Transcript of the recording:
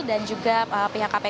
dan juga pihak kpk